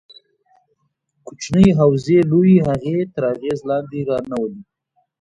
کوچنۍ حوزې لویې هغه تر اغېز لاندې رانه ولي.